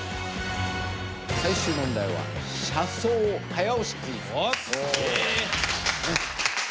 最終問題は車窓早押しクイズです。